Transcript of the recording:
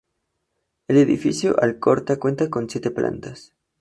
El Edificio Alcorta cuenta con siete plantas.